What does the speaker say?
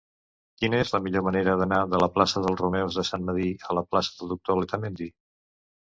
Quina és la millor manera d'anar de la plaça dels Romeus de Sant Medir a la plaça del Doctor Letamendi?